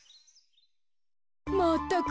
まったく。